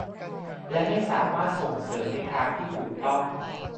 และไม่สามารถส่งเสิรมในทางที่ถูกต้อง